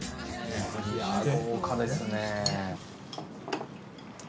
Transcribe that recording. いや豪華ですね。